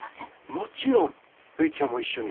もちろんるいちゃんも一緒に。